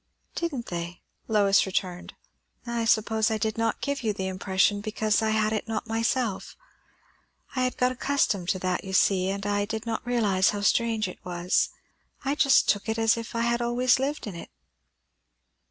"Didn't they?" Lois returned. "I suppose I did not give you the impression because I had it not myself. I had got accustomed to that, you see; and I did not realize how strange it was. I just took it as if I had always lived in it."